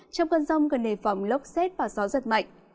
trong cơn rông gần nề phòng lốc xét và gió giật mạnh